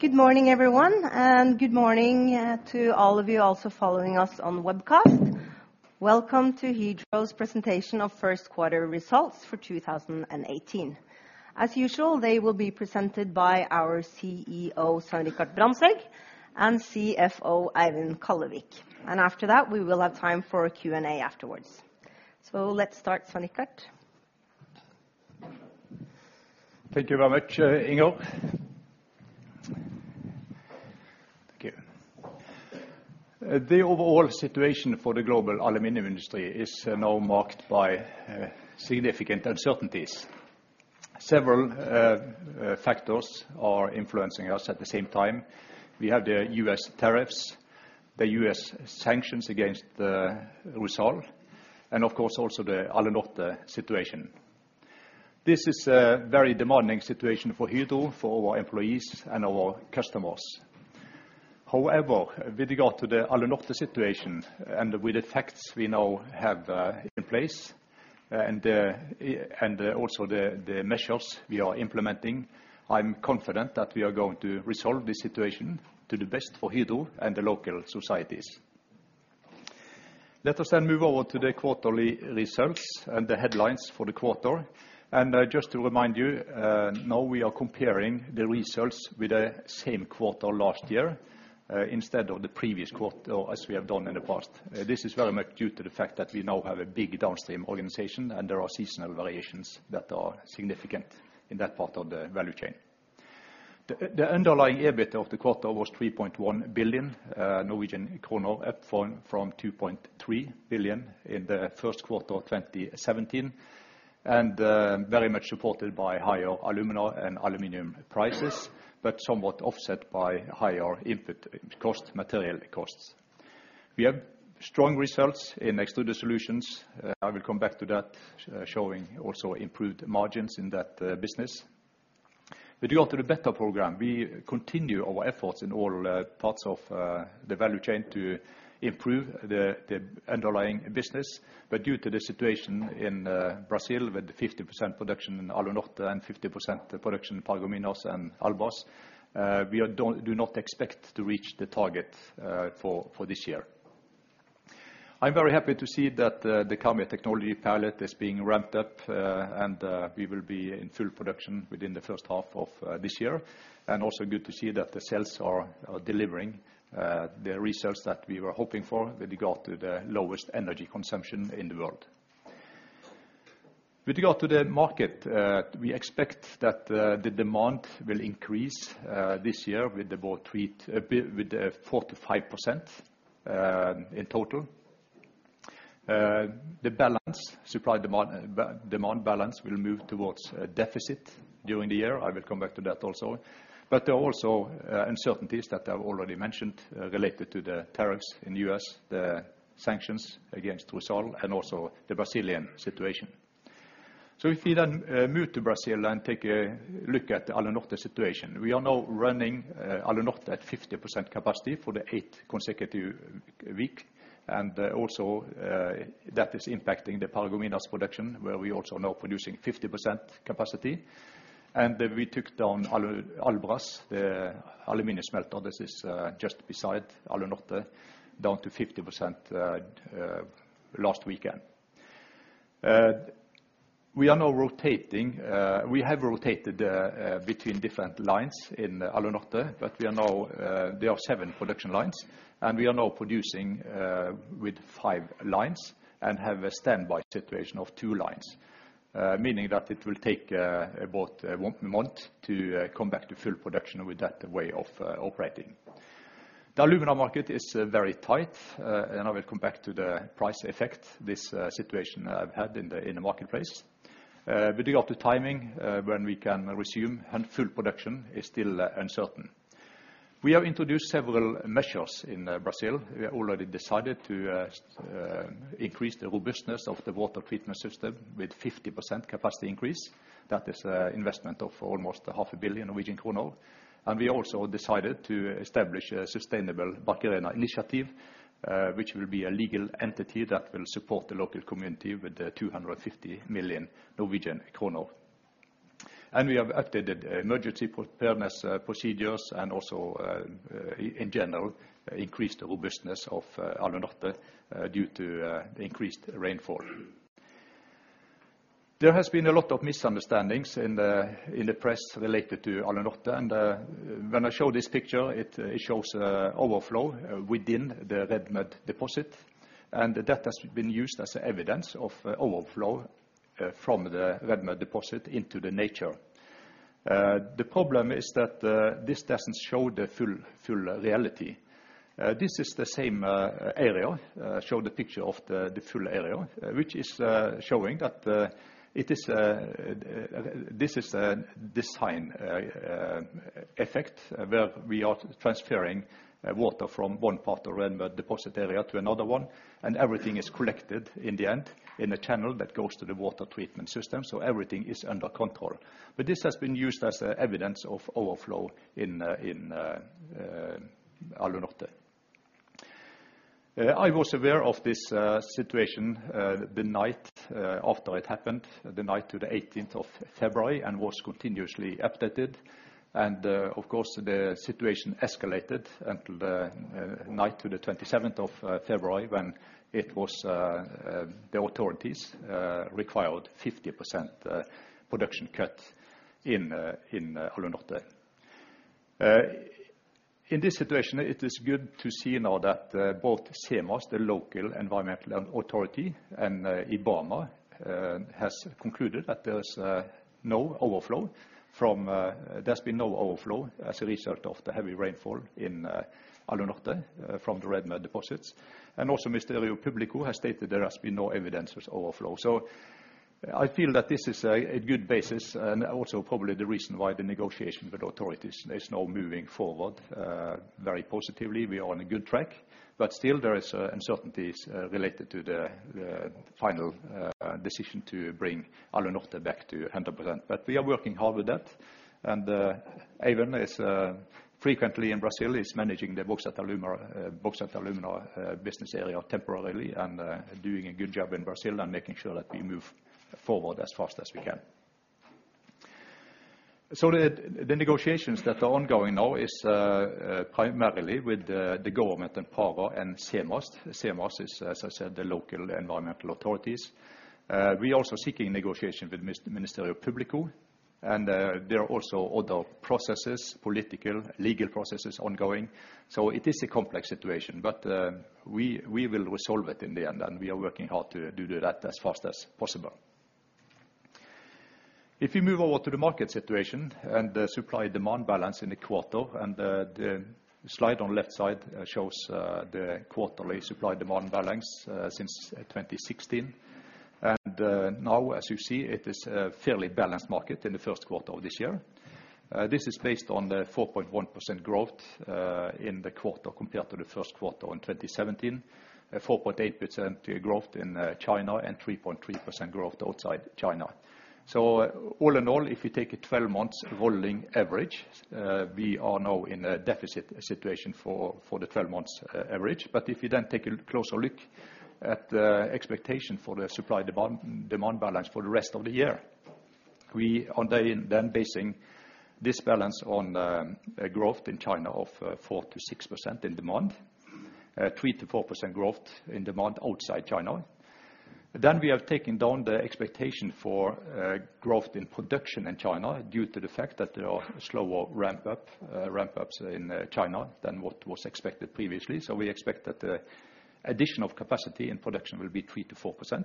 Good morning, everyone. Good morning, to all of you also following us on the webcast. Welcome to Hydro's presentation of first quarter results for 2018. As usual, they will be presented by our CEO, Svein Richard Brandtzæg, and CFO, Eivind Kallevik. After that, we will have time for a Q&A afterwards. Let's start, Svein Richard. Thank you very much, Inger. Thank you. The overall situation for the global aluminum industry is now marked by significant uncertainties. Several factors are influencing us at the same time. We have the U.S. tariffs, the U.S. sanctions against Rusal, and of course also the Alunorte situation. This is a very demanding situation for Hydro, for our employees, and our customers. However, with regard to the Alunorte situation, and with the facts we now have in place, and also the measures we are implementing, I'm confident that we are going to resolve the situation to the best for Hydro and the local societies. Let us then move on to the quarterly results and the headlines for the quarter. Just to remind you, now we are comparing the results with the same quarter last year, instead of the previous quarter as we have done in the past. This is very much due to the fact that we now have a big downstream organization, and there are seasonal variations that are significant in that part of the value chain. The underlying EBIT of the quarter was 3.1 billion Norwegian kroner, up from 2.3 billion Norwegian kroner in the first quarter 2017, and very much supported by higher alumina and aluminum prices, but somewhat offset by higher input cost, material costs. We have strong results in Extruded Solutions. I will come back to that, showing also improved margins in that business. With regard to the "Better" program, we continue our efforts in all parts of the value chain to improve the underlying business, but due to the situation in Brazil with 50% production in Alunorte and 50% production in Paragominas and Albras, we do not expect to reach the target for this year. I'm very happy to see that the Karmøy technology pilot is being ramped up, and we will be in full production within the first half of this year. Also good to see that the sales are delivering the results that we were hoping for with regard to the lowest energy consumption in the world. With regard to the market, we expect that the demand will increase this year with about 45% in total. The balance, supply, demand balance will move towards a deficit during the year. I will come back to that also. There are also uncertainties that I've already mentioned related to the tariffs in the U.S., the sanctions against Rusal, and also the Brazilian situation. If we then, move to Brazil and take a look at the Alunorte situation. We are now running Alunorte at 50% capacity for the eighth consecutive week, and also that is impacting the Paragominas production, where we also now producing 50% capacity. We took down Albras, the aluminum smelter, this is just beside Alunorte, down to 50% last weekend. We are now rotating. We have rotated between different lines in Alunorte, but we are now, there are seven production lines, and we are now producing with five lines and have a standby situation of two lines. Meaning that it will take about one month to come back to full production with that way of operating. The alumina market is very tight. I will come back to the price effect this situation had in the marketplace. With regard to timing, when we can resume full production is still uncertain. We have introduced several measures in Brazil. We already decided to increase the robustness of the water treatment system with 50% capacity increase. That is a investment of almost a half a billion norwegian kroner. We also decided to establish a Sustainable Barcarena Initiative, which will be a legal entity that will support the local community with 250 million Norwegian kroner. We have updated emergency preparedness procedures and also in general increase the robustness of Alunorte due to the increased rainfall. There has been a lot of misunderstandings in the press related to Alunorte, and when I show this picture, it shows a overflow within the red mud deposit, and that has been used as evidence of overflow from the red mud deposit into the nature. The problem is that this doesn't show the full reality. This is the same area, show the picture of the full area, which is showing that it is this is a design effect where we are transferring water from one part of red mud deposit area to another one, and everything is collected in the end in a channel that goes to the water treatment system. Everything is under control. This has been used as evidence of overflow in Alunorte. I was aware of this situation the night after it happened, the night to the 18th of February, and was continuously updated. Of course, the situation escalated until the night to the 27th of February when it was the authorities required 50% production cut in Alunorte. In this situation, it is good to see now that both SEMAS, the local environmental authority, and IBAMA has concluded that there's been no overflow as a result of the heavy rainfall in Alunorte from the red mud deposits. Also Ministério Público has stated there has been no evidence of overflow. I feel that this is a good basis and also probably the reason why the negotiation with authorities is now moving forward very positively. We are on a good track, but still there is uncertainties related to the final decision to bring Alunorte back to 100%. We are working hard with that, and Eivind is frequently in Brazil. He's managing the bauxite alumina business area temporarily and doing a good job in Brazil and making sure that we move forward as fast as we can. The negotiations that are ongoing now is primarily with the government in Pará and SEMAS. SEMAS is, as I said, the local environmental authorities. We're also seeking negotiation with Ministério Público, and there are also other processes, political, legal processes ongoing. It is a complex situation. We will resolve it in the end, and we are working hard to do that as fast as possible. If you move over to the market situation and the supply-demand balance in the quarter, and the slide on left side shows the quarterly supply-demand balance since 2016. Now, as you see, it is a fairly balanced market in the first quarter of this year. This is based on the 4.1% growth in the quarter compared to the first quarter in 2017, 4.8% growth in China, and 3.3% growth outside China. All in all, if you take a 12 months rolling average, we are now in a deficit situation for the 12 months average. If you then take a closer look at the expectation for the supply-demand balance for the rest of the year, we are then basing this balance on growth in China of 4%-6% in demand, 3%-4% growth in demand outside China. We have taken down the expectation for growth in production in China due to the fact that there are slower ramp ups in China than what was expected previously. We expect that addition of capacity and production will be 3%-4%,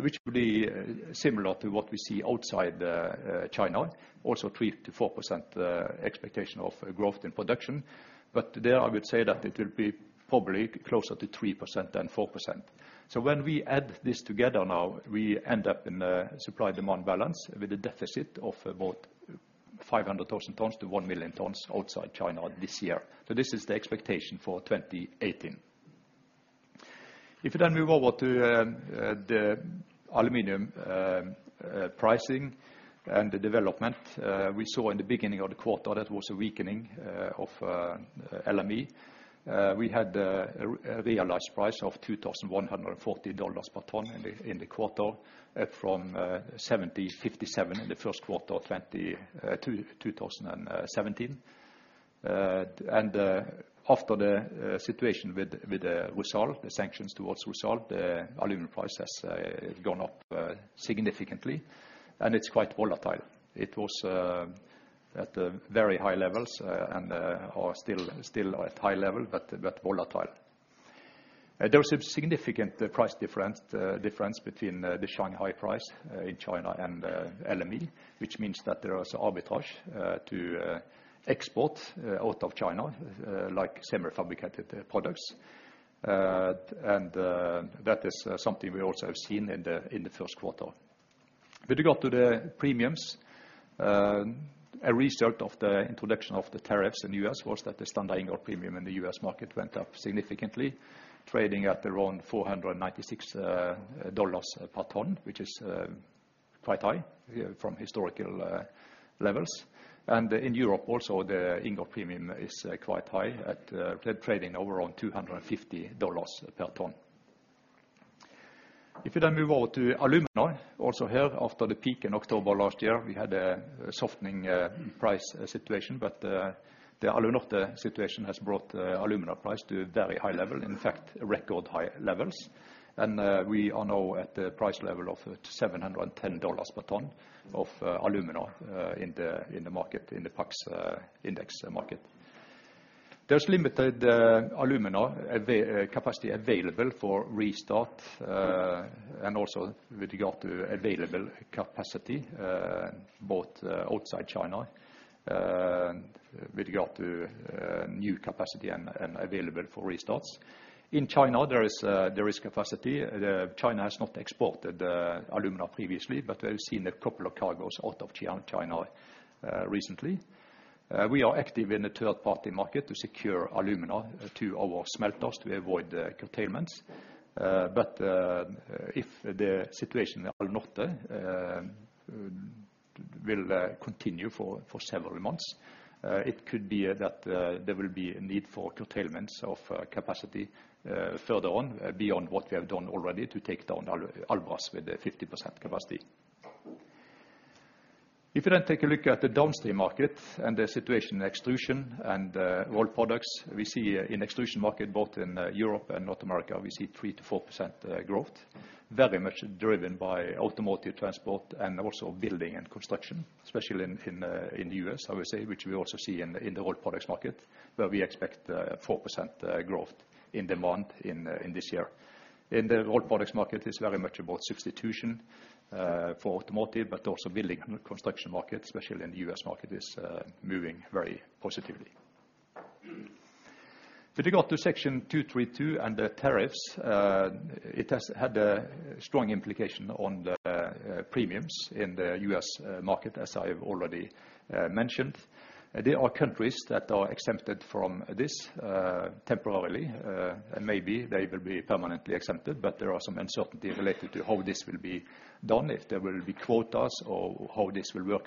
which will be similar to what we see outside China, also 3%-4% expectation of growth in production. There, I would say that it will be probably closer to 3% than 4%. When we add this together now, we end up in a supply-demand balance with a deficit of about 500,000 tons-1 million tons outside China this year. This is the expectation for 2018. You then move over to the aluminium pricing and the development, we saw in the beginning of the quarter, that was a weakening of LME. We had a realized price of $2,140 per ton in the quarter from $1,757 in the first quarter of 2017. After the situation with Rusal, the sanctions towards Rusal, the aluminium price has gone up significantly, and it's quite volatile. It was at very high levels, and or still at high level but volatile. There was a significant price difference between the Shanghai price in China and LME, which means that there is arbitrage to export out of China, like semifabricated products. That is something we also have seen in the first quarter. With regard to the premiums, a result of the introduction of the tariffs in the U.S. was that the standard ingot premium in the U.S. market went up significantly, trading at around $496 per ton, which is quite high from historical levels. In Europe also, the ingot premium is quite high at trading over on $250 per ton. You move over to alumina, also here, after the peak in October last year, we had a softening price situation. The Alunorte situation has brought alumina price to a very high level, in fact, record high levels. We are now at the price level of $710 per ton of alumina in the market, in the PAX index market. There's limited alumina capacity available for restart and also with regard to available capacity, both outside China and with regard to new capacity and available for restarts. In China, there is capacity. The China has not exported alumina previously, but we've seen a couple of cargos out of China recently. We are active in the third-party market to secure alumina to our smelters to avoid curtailments. If the situation in Alunorte will continue for several months. It could be that there will be a need for curtailments of capacity further on beyond what we have done already to take down Albras with the 50% capacity. If you take a look at the downstream market and the situation in extrusion and rolled products, we see in extrusion market, both in Europe and North America, we see 3%-4% growth, very much driven by automotive transport and also building and construction, especially in the U.S., I would say, which we also see in the rolled products market, where we expect 4% growth in demand in this year. In the rolled products market, it's very much about substitution for automotive, but also building and construction market, especially in the U.S. market, is moving very positively. With regard to Section 232 and the tariffs, it has had a strong implication on the premiums in the US market, as I have already mentioned. There are countries that are exempted from this temporarily and maybe they will be permanently exempted, but there are some uncertainty related to how this will be done, if there will be quotas or how this will work.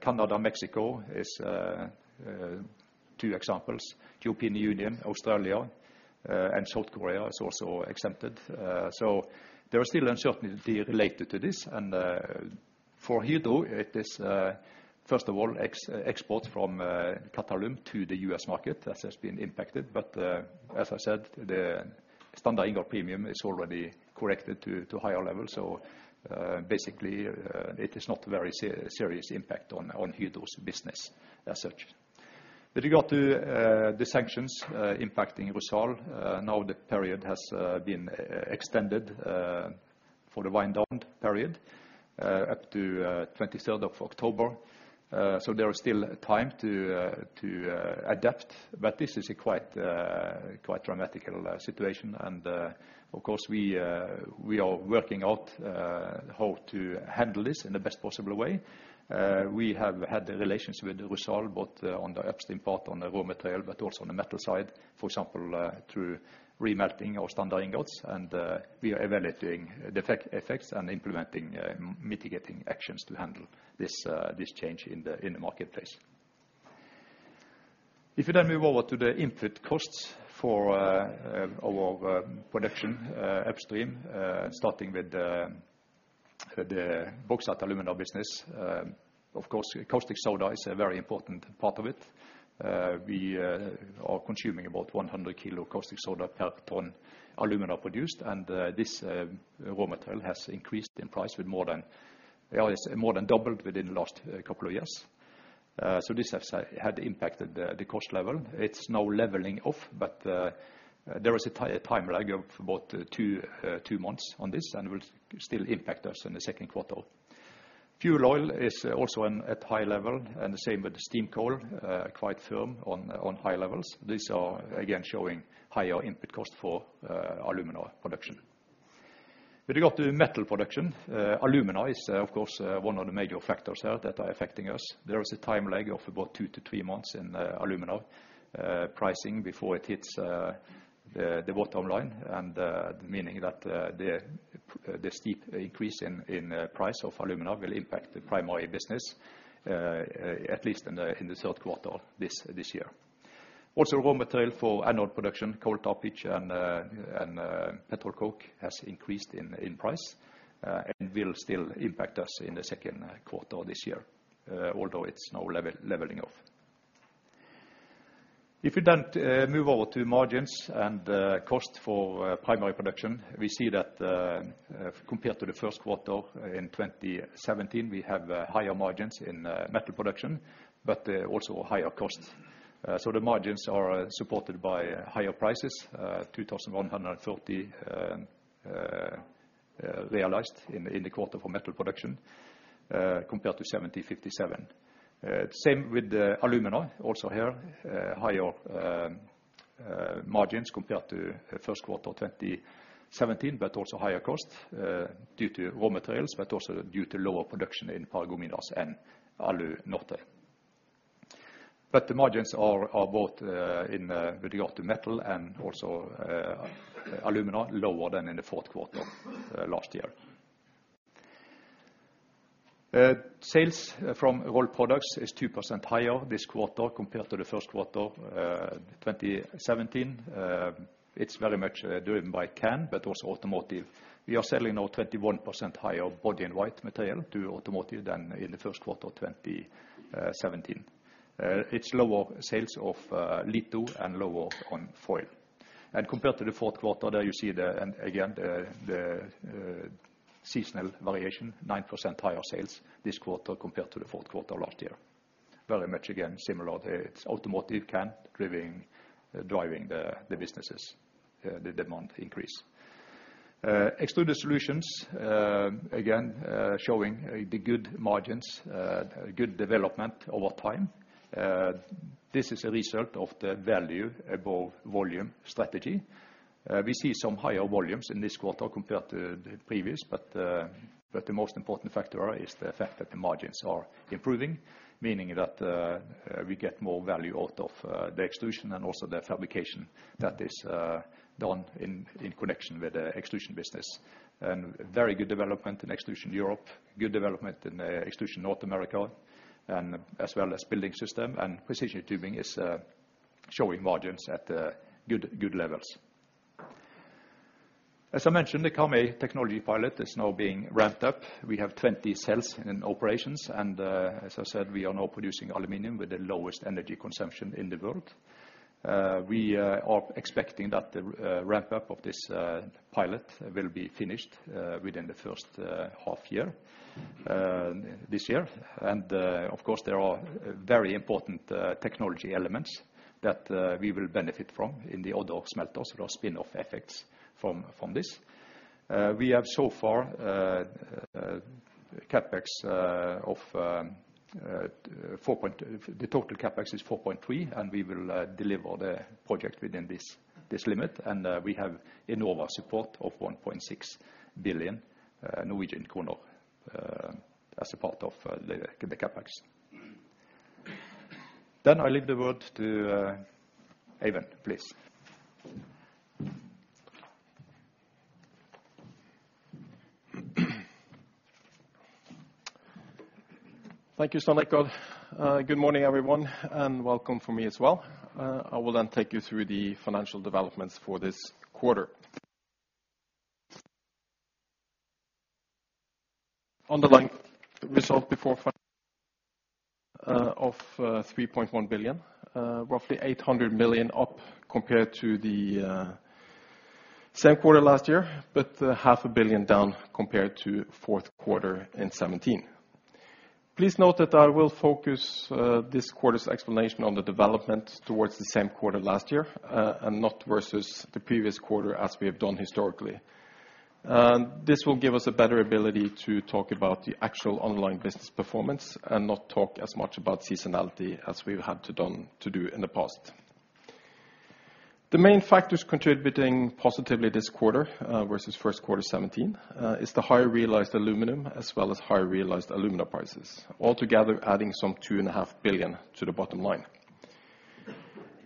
Canada, Mexico is two examples. European Union, Australia and South Korea is also exempted. There are still uncertainty related to this. For Hydro, it is first of all exports from Qatalum to the U.S. market that has been impacted. As I said, the standard ingot premium is already corrected to higher levels, basically, it is not very serious impact on Hydro's business as such. With regard to the sanctions impacting Rusal, now the period has been extended for the wind down period up to 23rd of October. There is still time to adapt, but this is a quite dramatical situation. Of course, we are working out how to handle this in the best possible way. We have had the relations with Rusal both on the upstream part, on the raw material, but also on the metal side, for example, through remelting our standard ingots. We are evaluating the effects and implementing mitigating actions to handle this change in the marketplace. If you move over to the input costs for our production upstream, starting with the bauxite alumina business, of course, caustic soda is a very important part of it. We are consuming about 100 kilo caustic soda per ton alumina produced. This raw material has increased in price. It has more than doubled within the last couple of years. This has had impacted the cost level. It's now leveling off. There is a time lag of about two months on this and will still impact us in the second quarter. Fuel oil is also at high level. The same with steam coal, quite firm on high levels. These are, again, showing higher input cost for alumina production. With regard to metal production, alumina is, of course, one of the major factors there that are affecting us. There is a time lag of about two to three months in alumina pricing before it hits the bottom line, meaning that the steep increase in price of alumina will impact the primary business at least in the third quarter this year. Also, raw material for anode production, coal tar pitch and petrol coke has increased in price and will still impact us in the second quarter this year, although it's now leveling off. If you then move over to margins and cost for primary production, we see that compared to the first quarter in 2017, we have higher margins in metal production, but also higher costs. The margins are supported by higher prices, $2,130 realized in the quarter for metal production, compared to $7,057. Same with the alumina. Also here, higher margins compared to first quarter 2017, but also higher cost due to raw materials, but also due to lower production in Paragominas and Alunorte. The margins are both in with regard to metal and also alumina, lower than in the fourth quarter last year. Sales from rolled products is 2% higher this quarter compared to the first quarter 2017. It's very much driven by can, but also automotive. We are selling now 21% higher body in white material to automotive than in the first quarter 2017. It's lower sales of litho and lower on foil. Compared to the fourth quarter, there you see the seasonal variation, 9% higher sales this quarter compared to the fourth quarter last year. Very much again, similar. It's automotive can driving the businesses, the demand increase. Extruded Solutions again showing the good margins, good development over time. This is a result of the value over volume strategy. We see some higher volumes in this quarter compared to the previous, but the most important factor is the fact that the margins are improving, meaning that we get more value out of the extrusion and also the fabrication that is done in connection with the extrusion business. Very good development in Extrusion Europe, good development in Extrusion North America, and as well as Building Systems, and Precision Tubing is showing margins at good levels. As I mentioned, the Karmøy technology pilot is now being ramped up. We have 20 cells in operations, and as I said, we are now producing aluminum with the lowest energy consumption in the world. We are expecting that the ramp up of this pilot will be finished within the first half year this year. Of course, there are very important technology elements that we will benefit from in the other smelters. There are spin-off effects from this. The total CAPEX is 4.3. We will deliver the project within this limit. We have Enova support of 1.6 billion Norwegian kroner as a part of the CAPEX. I leave the word to Eivind, please. Thank you, Svein. Good morning, everyone, and welcome from me as well. I will take you through the financial developments for this quarter. Underlying result of 3.1 billion, roughly 800 million up compared to the same quarter last year, NOK half a billion down compared to fourth quarter in 2017. Please note that I will focus this quarter's explanation on the development towards the same quarter last year, not versus the previous quarter as we have to do in the past. The main factors contributing positively this quarter versus first quarter 2017 is the higher realized aluminium as well as higher realized alumina prices, altogether adding some two and a half billion to the bottom line.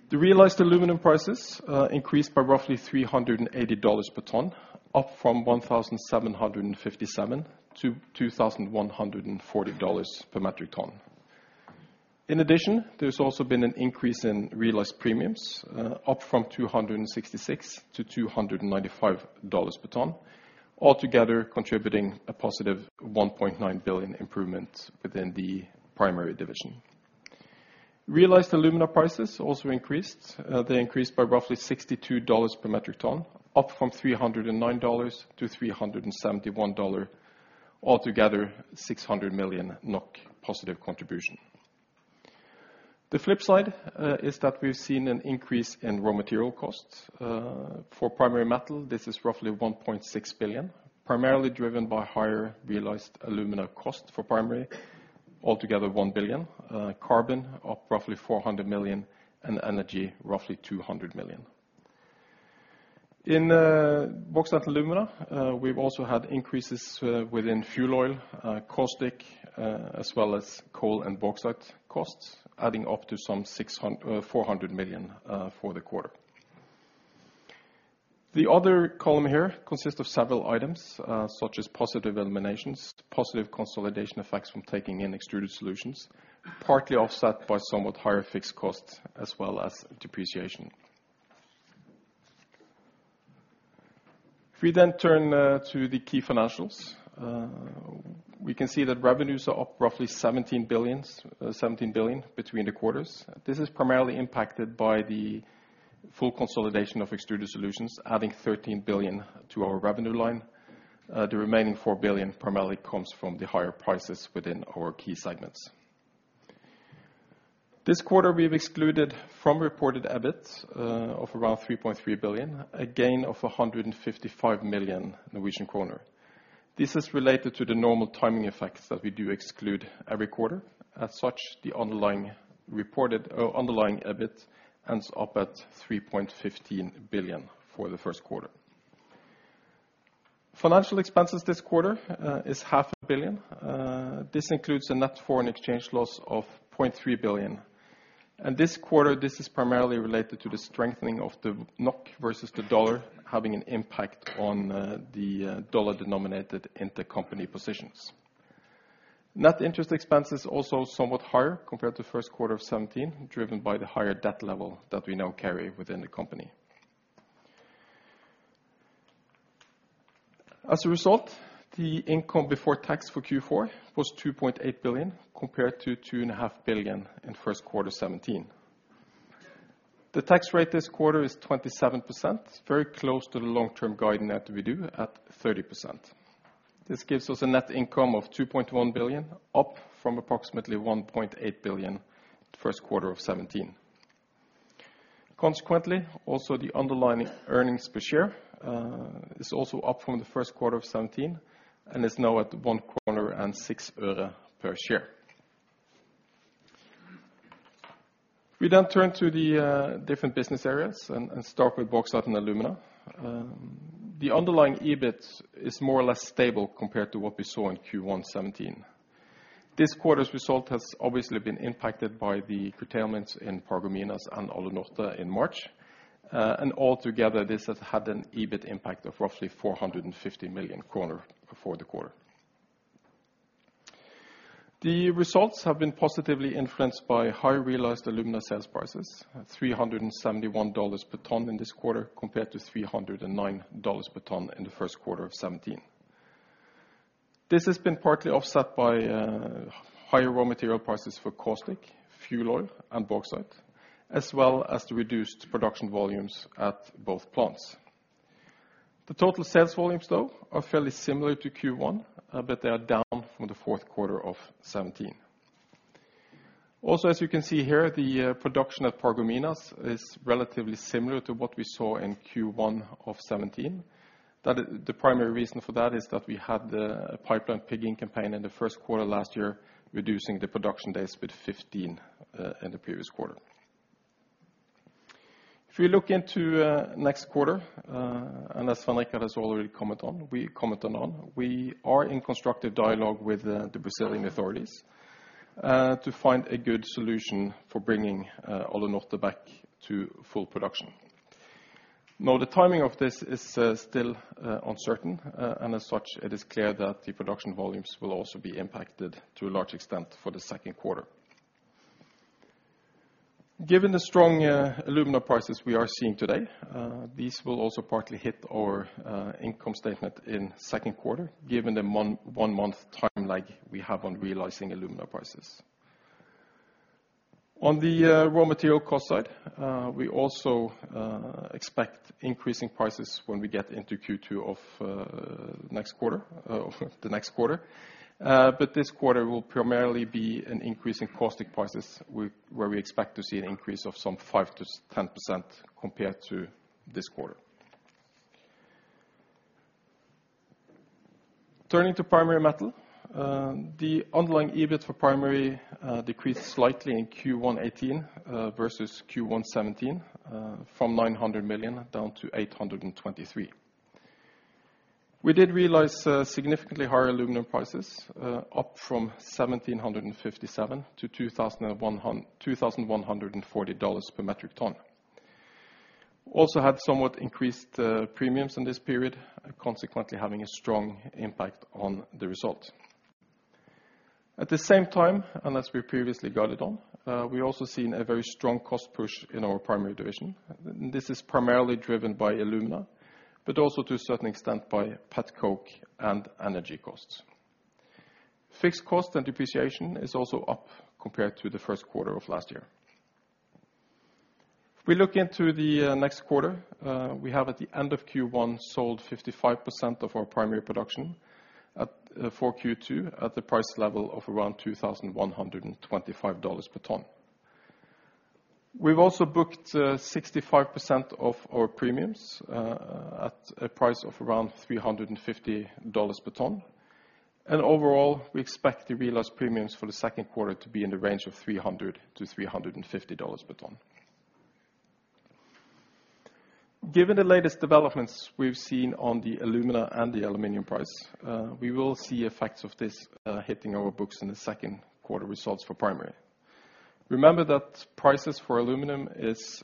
The realized aluminium prices increased by roughly $380 per ton, up from $1,757-$2,140 per metric ton. In addition, there's also been an increase in realized premiums, up from $266-$295 per ton, altogether contributing a positive $1.9 billion improvement within the primary division. Realized alumina prices also increased. They increased by roughly $62 per metric ton, up from $309-$371, altogether NOK 600 million positive contribution. The flip side is that we've seen an increase in raw material costs. For primary metal, this is roughly 1.6 billion, primarily driven by higher realized alumina costs for primary, altogether 1 billion, carbon of roughly 400 million, and energy, roughly 200 million. Bauxite alumina, we've also had increases within fuel oil, caustic, as well as coal and bauxite costs, adding up to some 400 million for the quarter. The other column here consists of several items, such as positive eliminations, positive consolidation effects from taking in Extruded Solutions, partly offset by somewhat higher fixed costs as well as depreciation. We then turn to the key financials, we can see that revenues are up roughly 17 billions, 17 billion between the quarters. This is primarily impacted by the full consolidation of Extruded Solutions, adding 13 billion to our revenue line. The remaining 4 billion primarily comes from the higher prices within our key segments. This quarter, we've excluded from reported EBIT of around 3.3 billion, a gain of 155 million Norwegian kroner. This is related to the normal timing effects that we do exclude every quarter. As such, underlying EBIT ends up at 3.15 billion for the first quarter. Financial expenses this quarter is half a billion. This includes a net foreign exchange loss of 0.3 billion. This quarter, this is primarily related to the strengthening of the NOK versus the dollar having an impact on the dollar-denominated intercompany positions. Net interest expense is also somewhat higher compared to first quarter of 2017, driven by the higher debt level that we now carry within the company. As a result, the income before tax for Q4 was 2.8 billion, compared to 2.5 billion in first quarter 2017. The tax rate this quarter is 27%, very close to the long-term guidance that we do at 30%. This gives us a net income of 2.1 billion, up from approximately 1.8 billion the first quarter of 2017. Consequently, also the underlying earnings per share is also up from the first quarter of 2017 and is now at NOK 1.06 per share. We turn to the different business areas and start with Bauxite and Alumina. The underlying EBIT is more or less stable compared to what we saw in Q1 2017. This quarter's result has obviously been impacted by the curtailments in Paragominas and Alunorte in March. Altogether, this has had an EBIT impact of roughly 450 million kroner for the quarter. The results have been positively influenced by higher realized alumina sales prices at $371 per ton in this quarter, compared to $309 per ton in the first quarter of 2017. This has been partly offset by higher raw material prices for caustic, fuel oil, and bauxite, as well as the reduced production volumes at both plants. The total sales volumes, though, are fairly similar to Q1, but they are down from the fourth quarter of 2017. As you can see here, the production at Paragominas is relatively similar to what we saw in Q1 of 2017. The primary reason for that is that we had the pipeline pigging campaign in the first quarter last year, reducing the production days with 15 in the previous quarter. You look into next quarter, as Svein Richard has already commented on, we are in constructive dialogue with the Brazilian authorities to find a good solution for bringing Alunorte back to full production. The timing of this is still uncertain. As such, it is clear that the production volumes will also be impacted to a large extent for the second quarter. Given the strong alumina prices we are seeing today, these will also partly hit our income statement in second quarter given the one-month timeline we have on realizing alumina prices. On the raw material cost side, we also expect increasing prices when we get into Q2 of the next quarter. This quarter will primarily be an increase in caustic prices where we expect to see an increase of some 5%-10% compared to this quarter. Turning to Primary Metal, the underlying EBIT for Primary decreased slightly in Q1 2018 versus Q1 2017, from 900 million down to 823 million. We did realize significantly higher aluminium prices, up from $1,757-$2,140 per metric ton. Also had somewhat increased premiums in this period, consequently having a strong impact on the result. At the same time, unless we previously guided on, we also seen a very strong cost push in our Primary division. This is primarily driven by alumina, but also to a certain extent by pet coke and energy costs. Fixed cost and depreciation is also up compared to the first quarter of last year. If we look into the next quarter, we have at the end of Q1 sold 55% of our primary production for Q2 at the price level of around $2,125 per ton. We've also booked 65% of our premiums at a price of around $350 per ton. Overall, we expect the realized premiums for the second quarter to be in the range of $300-$350 per ton. Given the latest developments we've seen on the alumina and the aluminum price, we will see effects of this hitting our books in the second quarter results for Primary. Remember that prices for aluminum is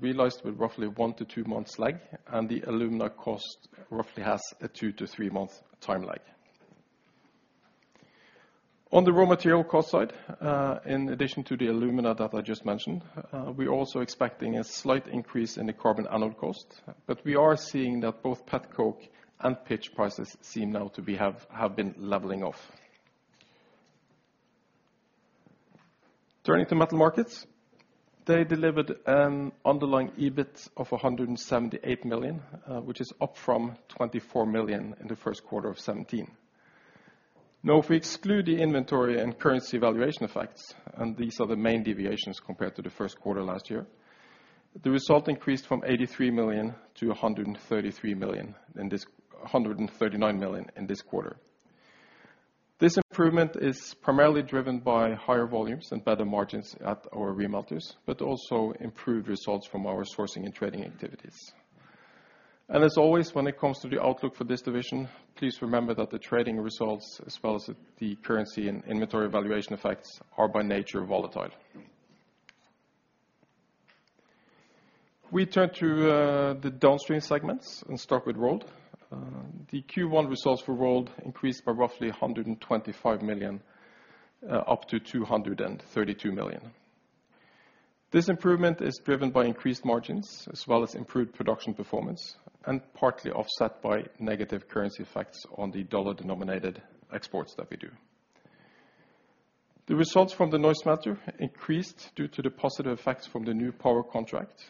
realized with roughly one-two months lag, and the alumina cost roughly has a two-three month time lag. On the raw material cost side, in addition to the alumina that I just mentioned, we're also expecting a slight increase in the carbon anode cost. We are seeing that both pet coke and pitch prices seem now to have been leveling off. Turning to Metal Markets, they delivered an underlying EBIT of 178 million, which is up from 24 million in the first quarter of 2017. If we exclude the inventory and currency valuation effects, and these are the main deviations compared to the first quarter last year, the result increased from 83 million-NOK139 million in this quarter. This improvement is primarily driven by higher volumes and better margins at our remelters, but also improved results from our sourcing and trading activities. As always, when it comes to the outlook for this division, please remember that the trading results as well as the currency and inventory valuation effects are by nature volatile. We turn to the downstream segments and start with Rolled. The Q1 results for Rolled increased by roughly 125 million up to 232 million. This improvement is driven by increased margins as well as improved production performance, and partly offset by negative currency effects on the dollar-denominated exports that we do. The results from the Norsk Smelters increased due to the positive effects from the new power contract,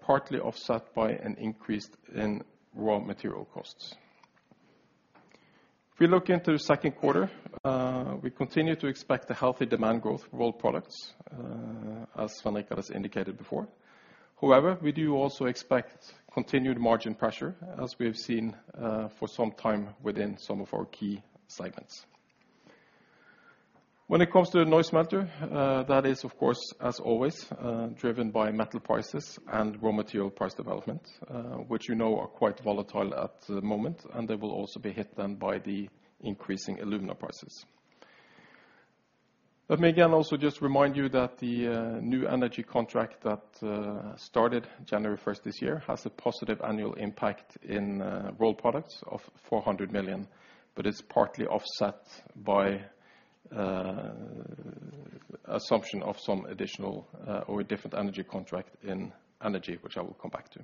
partly offset by an increase in raw material costs. If we look into the second quarter, we continue to expect a healthy demand growth for rolled products, as Svein Richard has indicated before. However, we do also expect continued margin pressure, as we have seen for some time within some of our key segments. When it comes to Norsk Smelters, that is, of course, as always, driven by metal prices and raw material price development, which you know are quite volatile at the moment, and they will also be hit then by the increasing alumina prices. Let me again also just remind you that the new energy contract that started January 1st this year has a positive annual impact in raw products of 400 million, but it's partly offset by assumption of some additional or a different energy contract in energy, which I will come back to.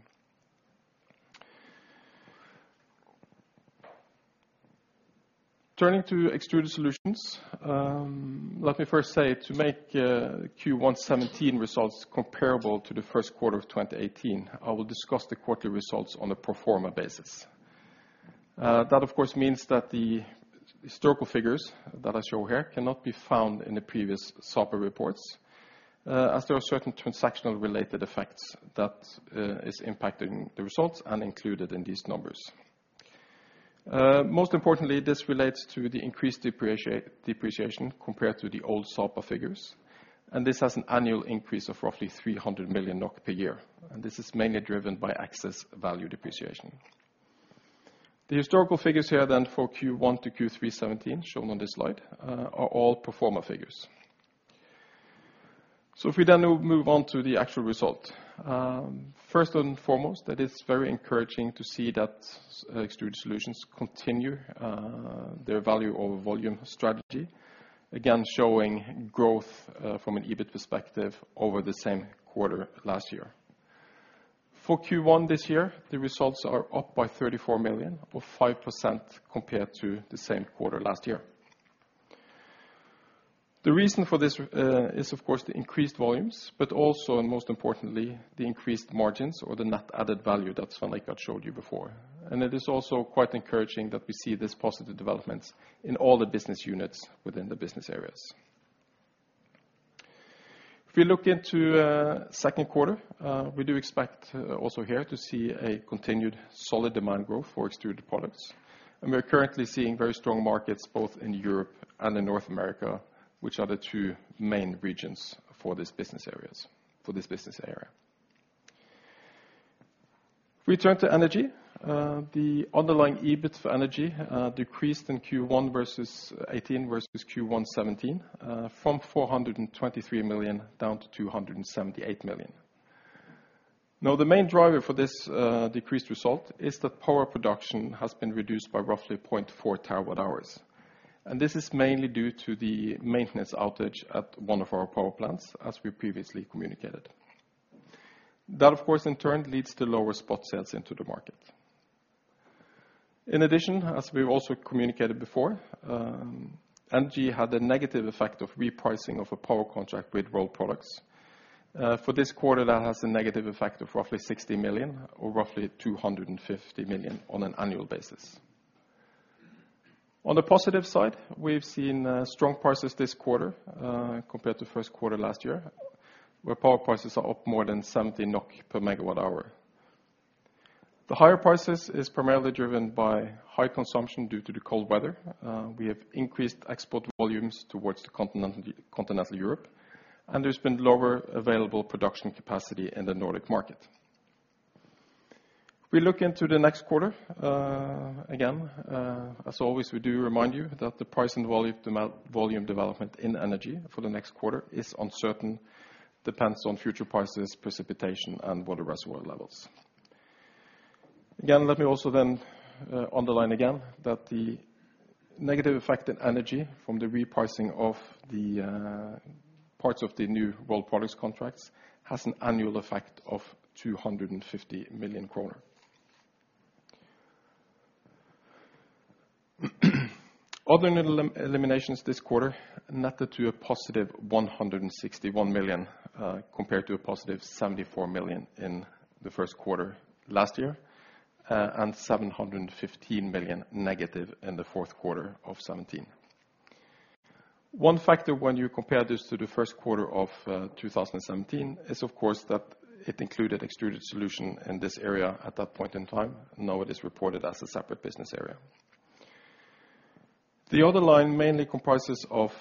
Turning to Extruded Solutions, let me first say to make Q1 2017 results comparable to the first quarter of 2018, I will discuss the quarterly results on a pro forma basis. That ofcourse means that the historical figures that I show here cannot be found in the previous Sapa reports, as there are certain transactional related effects that is impacting the results and included in these numbers. Most importantly, this relates to the increased depreciation compared to the old Sapa figures, this has an annual increase of roughly 300 million NOK per year. This is mainly driven by excess value depreciation. The historical figures here then for Q1-Q3 2017 shown on this slide, are all pro forma figures. If we then move on to the actual result. First and foremost, it is very encouraging to see that Extruded Solutions continue their value over volume strategy. Again, showing growth from an EBIT perspective over the same quarter last year. For Q1 this year, the results are up by 34 million or 5% compared to the same quarter last year. The reason for this is of course the increased volumes, but also, and most importantly, the increased margins or the net added value that Svein Richard showed you before. It is also quite encouraging that we see this positive developments in all the business units within the business areas. If you look into second quarter, we do expect also here to see a continued solid demand growth for extruded products. We are currently seeing very strong markets both in Europe and in North America, which are the two main regions for this business area. If we turn to energy, the underlying EBIT for energy decreased in Q1 versus... 2018 versus Q1 2017, from 423 million down to 278 million. The main driver for this decreased result is that power production has been reduced by roughly 0.4 TWh. This is mainly due to the maintenance outage at one of our power plants, as we previously communicated. That of course, in turn leads to lower spot sales into the market. In addition, as we've also communicated before, energy had a negative effect of repricing of a power contract with Rolled Products. For this quarter, that has a negative effect of roughly 60 million or roughly 250 million on an annual basis. On the positive side, we've seen strong prices this quarter, compared to first quarter last year, where power prices are up more than 70 NOK per MWh. The higher prices are primarily driven by high consumption due to the cold weather. We have increased export volumes towards continental Europe, and there's been lower available production capacity in the Nordic market. If we look into the next quarter, again, as always, we do remind you that the price and volume development in energy for the next quarter is uncertain, depends on future prices, precipitation, and water reservoir levels. Let me also underline again that the negative effect in energy from the repricing of the parts of the new raw products contracts has an annual effect of 250 million kroner. Other eliminations this quarter netted to a + 161 million, compared to a + 74 million in the first quarter last year, and -715 million in the fourth quarter of 2017. One factor when you compare this to the first quarter of 2017 is of course that it included Extruded Solutions in this area at that point in time. Now it is reported as a separate business area. The other line mainly comprises of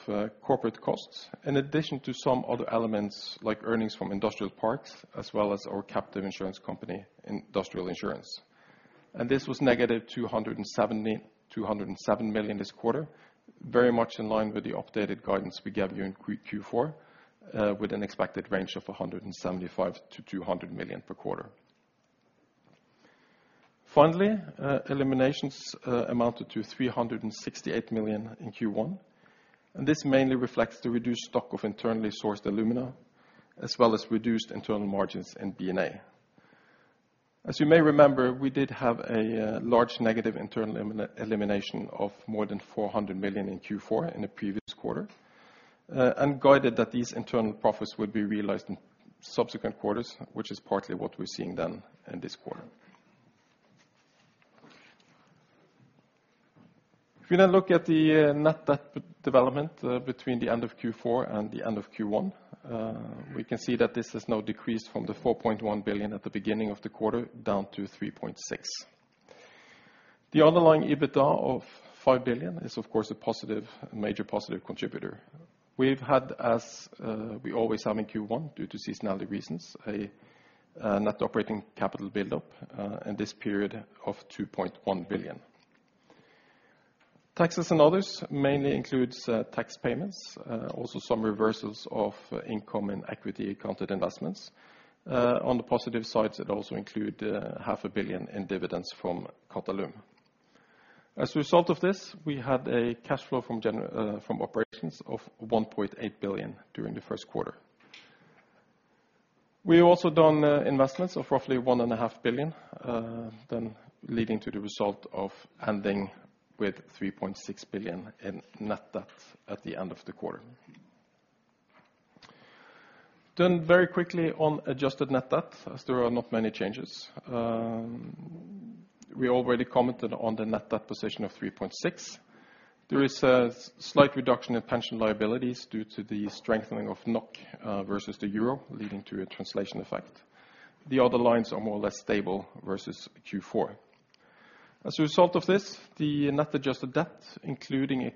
corporate costs in addition to some other elements like earnings from industrial parks as well as our captive insurance company, Industrial Insurance. This was - 270 million, 207 million this quarter, very much in line with the updated guidance we gave you in Q4, with an expected range of 175 million-200 million per quarter. Finally, eliminations amounted to 368 million in Q1. This mainly reflects the reduced stock of internally sourced alumina, as well as reduced internal margins in BNA. As you may remember, we did have a large negative internal elimination of more than 400 million in Q4 in the previous quarter, and guided that these internal profits would be realized in subsequent quarters, which is partly what we're seeing then in this quarter. If you now look at the net debt development between the end of Q4 and the end of Q1, we can see that this has now decreased from the 4.1 billion at the beginning of the quarter down to 3.6 billion. The underlying EBITA of 5 billion is of course a positive, major positive contributor. We've had, as we always have in Q1, due to seasonality reasons, a net operating capital build-up in this period of 2.1 billion. Taxes and others mainly includes tax payments, also some reversals of income and equity accounted investments. On the positive sides, it also include half a billion in dividends from Qatalum. As a result of this, we had a cash flow from operations of 1.8 billion during the first quarter. We also done investments of roughly 1.5 billion, then leading to the result of ending with 3.6 billion in net debt at the end of the quarter. Very quickly on adjusted net debt, as there are not many changes. We already commented on the net debt position of 3.6. There is a slight reduction in pension liabilities due to the strengthening of NOK versus the euro, leading to a translation effect. The other lines are more or less stable versus Q4. As a result of this, the net adjusted debt, including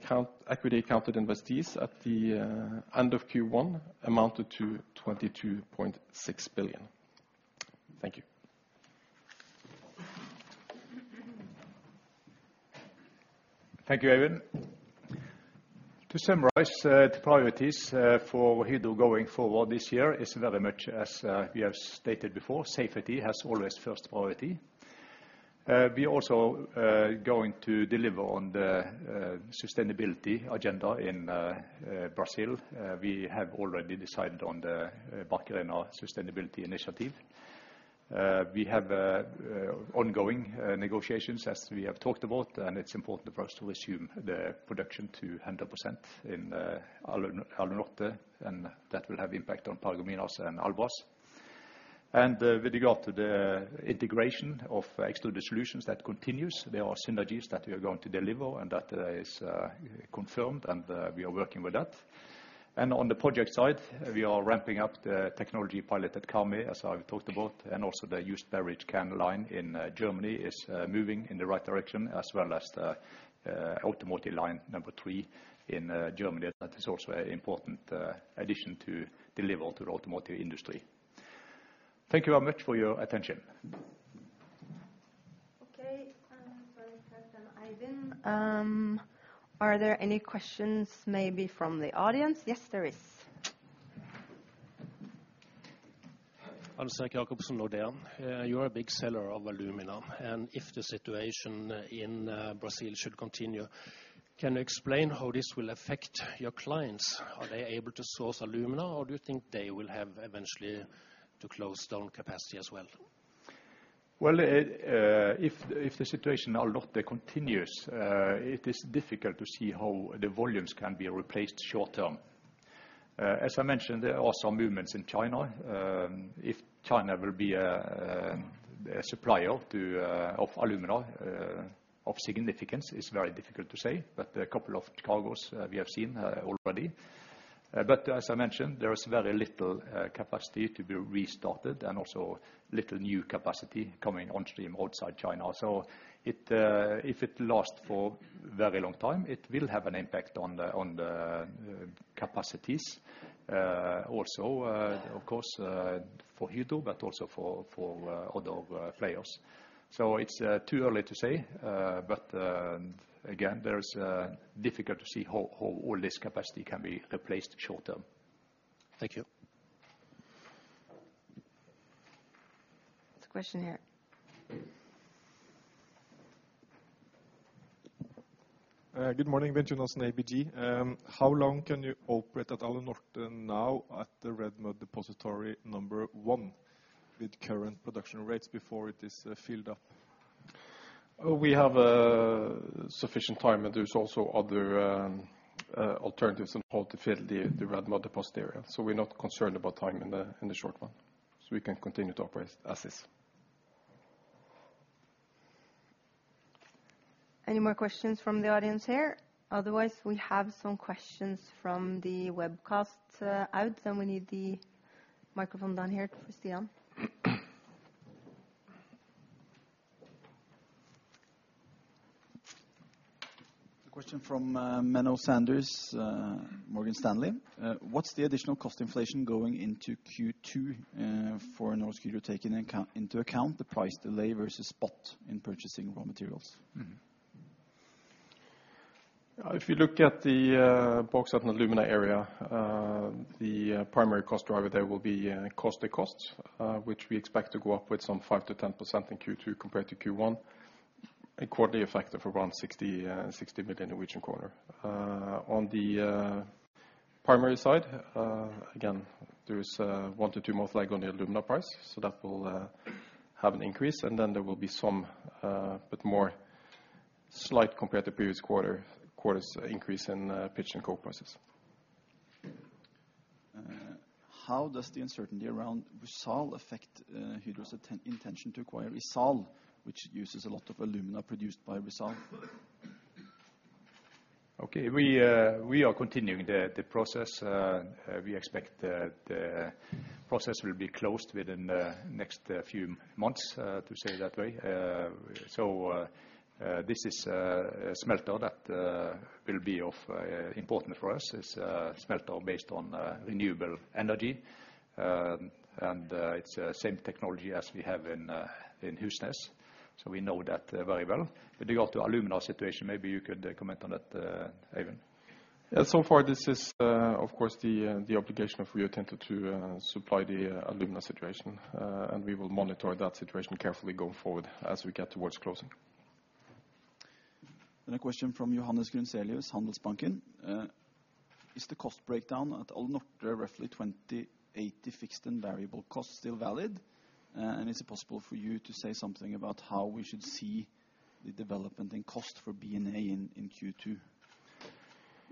equity accounted investees at the end of Q1 amounted to 22.6 billion. Thank you. Thank you, Eivind. To summarize, the priorities for Hydro going forward this year is very much as we have stated before, safety has always first priority. We also going to deliver on the sustainability agenda in Brazil. We have already decided on the Sustainable Barcarena Initiative. We have ongoing negotiations as we have talked about, and it's important for us to resume the production to 100% in Alunorte, and that will have impact on Paragominas and Albras. With regard to the integration of Extruded Solutions, that continues. There are synergies that we are going to deliver and that is confirmed, and we are working with that. On the project side, we are ramping up the technology pilot at Karmøy, as I've talked about, and also the used beverage can line in Germany is moving in the right direction as well as the Automotive Line 3 in Germany. That is also an important addition to deliver to the automotive industry. Thank you very much for your attention. President Eivind, are there any questions maybe from the audience? Yes, there is. You are a big seller of alumina, and if the situation in Brazil should continue, can you explain how this will affect your clients? Are they able to source alumina, or do you think they will have eventually to close down capacity as well? Well, if the situation at Alunorte continues, it is difficult to see how the volumes can be replaced short term. As I mentioned, there are some movements in China. If China will be a supplier to of alumina of significance is very difficult to say, but a couple of cargos we have seen already. As I mentioned, there is very little capacity to be restarted and also little new capacity coming on stream outside China. It, if it lasts for very long time, it will have an impact on the capacities also, of course, for Hydro, but also for other players. It's too early to say, but again, there's difficult to see how all this capacity can be replaced short term. Thank you. There's a question here. Good morning. Bengt Jonassen, ABG. How long can you operate at Alunorte now at the red mud depository number 1 with current production rates before it is filled up? We have sufficient time, there's also other alternatives on how to fill the red mud depository. We're not concerned about time in the short run. We can continue to operate as is. Any more questions from the audience here? Otherwise, we have some questions from the webcast, out, and we need the microphone down here for Stian. A question from Menno Sanderse, Morgan Stanley. What's the additional cost inflation going into Q2 for Norsk Hydro to take into account the price delay versus spot in purchasing raw materials? If you look at the Bauxite & Alumina area, the primary cost driver there will be caustic costs, which we expect to go up with some 5%-10% in Q2 compared to Q1, a quarterly effect of around 60 million. On the primary side, again, there is a one-two month lag on the alumina price, so that will have an increase. There will be some, but more slight compared to previous quarter's increase in pitch and coke prices. How does the uncertainty around Rusal affect Hydro's intention to acquire ISAL, which uses a lot of alumina produced by Rusal? Okay. We are continuing the process. We expect the process will be closed within the next few months to say that way. This is a smelter that will be of important for us. It's a smelter based on renewable energy. It's same technology as we have in Husnes, so we know that very well. With regard to alumina situation, maybe you could comment on that, Eivind. Yeah, so far this is, of course, the obligation of Rio Tinto to supply the alumina situation. We will monitor that situation carefully going forward as we get towards closing. A question from Johannes Grunselius, Handelsbanken. Is the cost breakdown at Alunorte roughly 20 80 fixed and variable costs still valid? Is it possible for you to say something about how we should see the development in cost for BNA in Q2?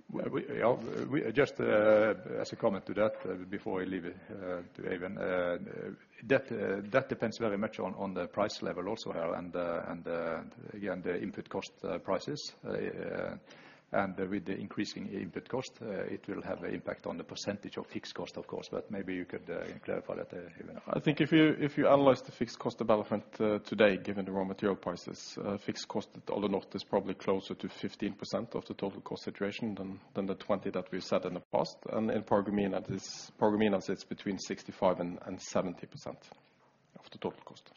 We just as a comment to that, before I leave it to Even, that depends very much on the price level also and again the input cost prices. With the increasing input cost, it will have an impact on the percentage of fixed cost, of course, but maybe you could clarify that, Even. I think if you analyze the fixed cost development today, given the raw material prices, fixed cost at Alunorte is probably closer to 15% of the total cost situation than the 20 that we've said in the past. In Paragominas it's between 65% and 70% of the total cost.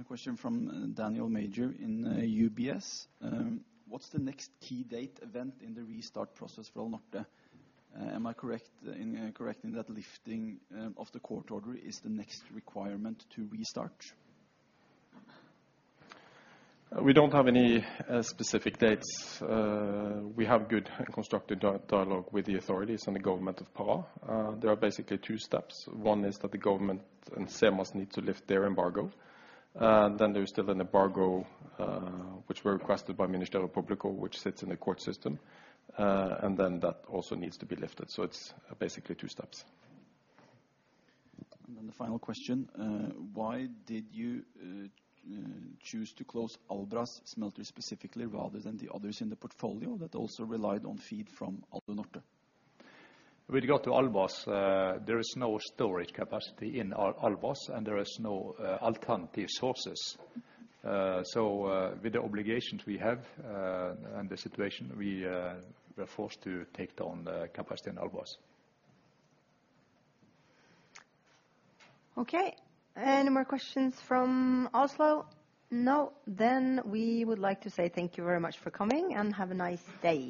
A question from Daniel Major in UBS. What's the next key date event in the restart process for Alunorte? Am I correct in that lifting of the court order is the next requirement to restart? We don't have any specific dates. We have good and constructive dialogue with the authorities and the government of Pará. There are basically two steps. One is that the government and SEMAS need to lift their embargo. Then there's still an embargo, which were requested by Ministério Público, which sits in the court system. And then that also needs to be lifted. It's basically two steps. The final question. Why did you choose to close Albras smelter specifically rather than the others in the portfolio that also relied on feed from Alunorte? With regard to Albras, there is no storage capacity in Albras, and there is no alternative sources. With the obligations we have, and the situation, we're forced to take down the capacity in Albras. Okay. Any more questions from Oslo? No. We would like to say thank you very much for coming, and have a nice day.